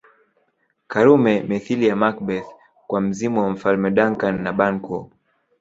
Karume mithili ya Macbeth kwa mzimu wa Mfalme Duncan na Banquo